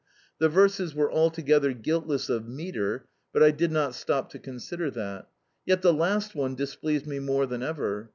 The verses were altogether guiltless of metre, but I did not stop to consider that. Yet the last one displeased me more than ever.